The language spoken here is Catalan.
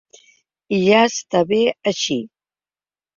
I ja està bé així!